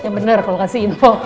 ya bener kalo kasih info